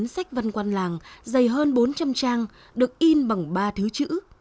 cuốn sách văn quang làng dày hơn bốn trăm linh trang được in bằng ba thứ chữ